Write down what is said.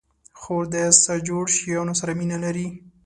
خور د سجاوړ شیانو سره مینه لري.